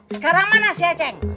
sekarang mana si aceng